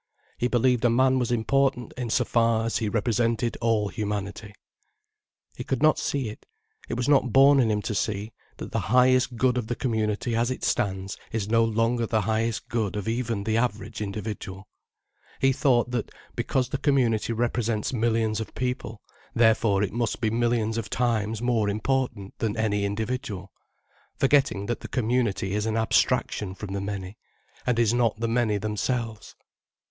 He believed a man was important in so far as he represented all humanity. He could not see, it was not born in him to see, that the highest good of the community as it stands is no longer the highest good of even the average individual. He thought that, because the community represents millions of people, therefore it must be millions of times more important than any individual, forgetting that the community is an abstraction from the many, and is not the many themselves.